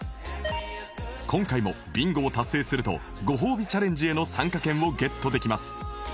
今回もビンゴを達成するとご褒美チャレンジへの参加券をゲットできます